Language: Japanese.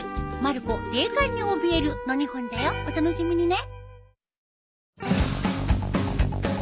お楽しみにね。